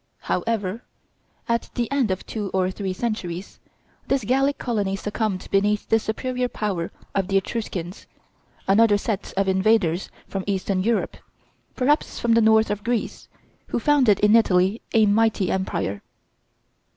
However, at the end of two or three centuries, this Gallic colony succumbed beneath the superior power of the Etruscans, another set of invaders from eastern Europe, perhaps from the north of Greece, who founded in Italy a mighty empire.